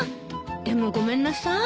でもごめんなさい。